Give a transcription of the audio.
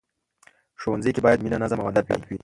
ښوونځی کې باید مینه، نظم او ادب وي